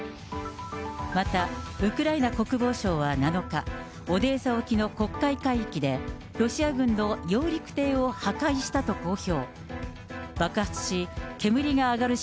またウクライナ国防省は７日、オデーサ沖の黒海海域で、ロシア軍の揚陸艇を破壊したと公表。